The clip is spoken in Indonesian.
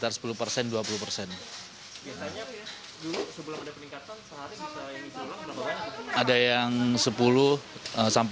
biasanya sebelum ada peningkatan sehari bisa yang isi ulang berapa banyak